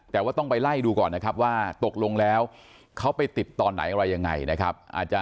แต่ว่าต้องไปไล่ดูก่อนนะครับว่าตกลงแล้วเขาไปติดตอนไหนอะไรยังไงนะครับ